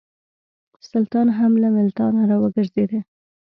سلطان هم له ملتانه را وګرځېدی.